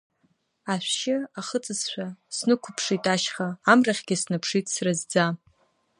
Ашәшьы ахыҵызшәа снықәыԥшит ашьха, амрахьгьы снаԥшит сразӡа.